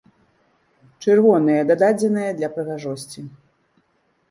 Чырвоныя дададзеныя для прыгажосці.